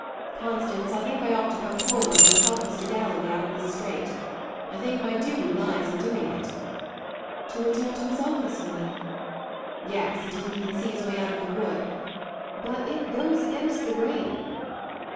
"Constance, I think I ought to come forward and help Mr. Galloway out of this strait. I think my duty lies in doing it." "To return to his office, you mean?" "Yes; until he can see his way out of the wood. But it goes against the grain."